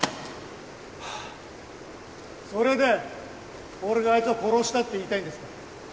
それで俺があいつを殺したって言いたいんですか？